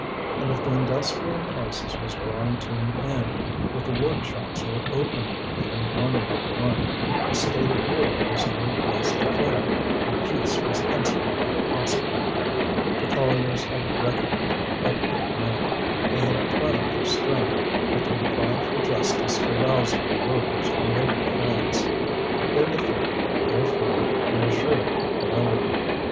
And if the industrial crisis was drawing to an end, if the workshops were opening again one by one, a state of war was no less declared, and peace was henceforth impossible. The colliers had reckoned up their men; they had tried their strength, with their cry for justice arousing the workers all over France. Their defeat, therefore, reassured no one.